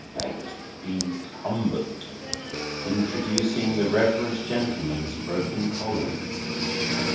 "Late Incumbent;" introducing the Reverend Gentleman's broken column.